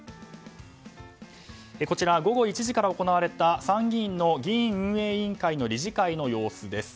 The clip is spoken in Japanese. こちらは、午後１時から行われた参議院の議院運営委員会の理事会の様子です。